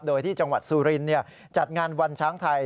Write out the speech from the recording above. โดยที่จังหวัดสุรินจัดงานวันช้างไทย